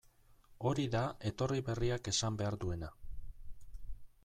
Hori da etorri berriak esan behar duena.